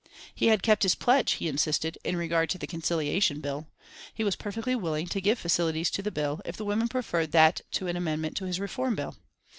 He had kept his pledge, he insisted, in regard to the Conciliation Bill. He was perfectly willing to give facilities to the Bill, if the women preferred that to an amendment to his reform bill.